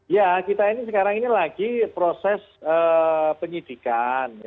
ya kita ini sekarang ini lagi proses penyidikan